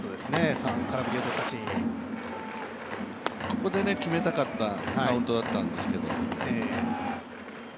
ここで決めたかったカウントだったんですけど。